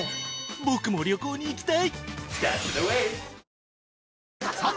僕も旅行に行きたい！